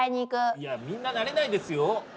いやみんななれないですよ。